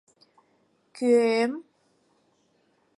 Кӧ-ӧм?